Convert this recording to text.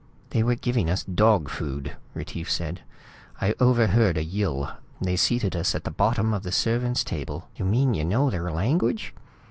"They were giving us dog food," Retief said. "I overheard a Yill. They seated us at the bottom of the servants' table " "You mean you know their language?"